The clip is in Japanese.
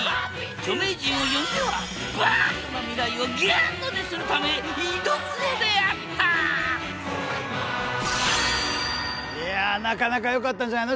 著名人を呼んではＢａｄな未来をＧｏｏｄにするため挑むのであったいやなかなかよかったんじゃないの？